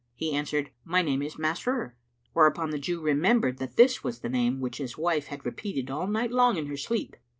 He answered, "My name is Masrur;" whereupon the Jew remembered that this was the name which his wife had repeated all night long in her sleep.